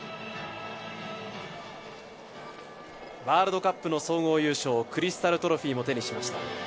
ワールドカップの総合優勝、クリスタルトロフィも手にしました。